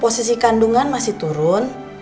posisi kandungan masih turun